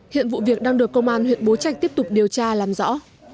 hiện vụ việc đang được công an huyện bố trạch tiếp tục điều tra làm rõ